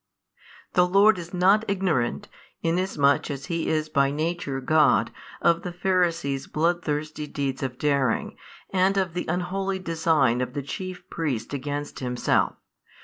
The Lord is not ignorant, inasmuch as He is by Nature God, of the Pharisees' bloodthirsty deeds of daring, and of the unholy design of the chief priests against Himself.